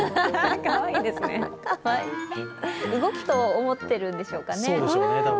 動くと思ってるんでしょうかね。